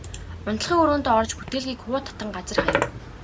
Унтлагын өрөөндөө орж бүтээлгийг хуу татан газар хаяв.